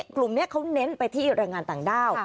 กลุ่มนี้เขาเน้นไปที่แรงงานต่างด้าว